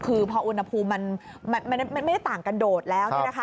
คือพออุณหภูมิมันไม่ได้ต่างกันโดดแล้ว